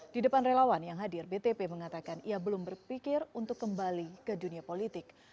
di depan relawan yang hadir btp mengatakan ia belum berpikir untuk kembali ke dunia politik